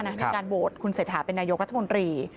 ในการโหวตคุณเศรษฐาเป็นนายกรัฐมนตรี